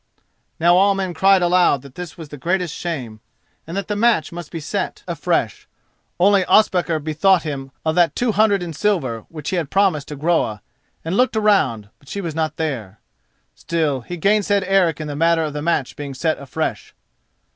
Now all men cried aloud that this was the greatest shame, and that the match must be set afresh; only Ospakar bethought him of that two hundred in silver which he had promised to Groa, and looked around, but she was not there. Still, he gainsaid Eric in the matter of the match being set afresh.